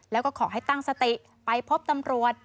แล้วก็ขอให้ตั้งสติไปพบตำรวจ